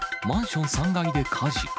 マンション３階で火事。